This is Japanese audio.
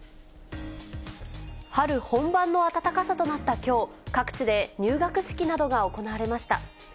春本番の暖かさとなったきょう、各地で入学式などが行われました。